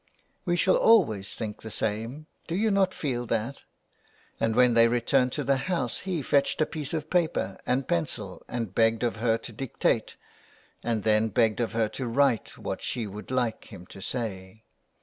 '' We shall always think the same. Do you not feel that ?^' and when they returned to the house he fetched a piece of paper and pencil and begged of her to dictate, and then begged of her to write what she would like him to say.